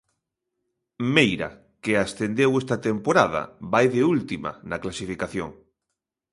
Meira, que ascendeu esta temporada, vai de última na clasificación.